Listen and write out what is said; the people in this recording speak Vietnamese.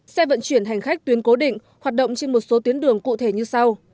xe vận chuyển hành khách tuyến cố định hoạt động trên một số tuyến đường cụ thể như sau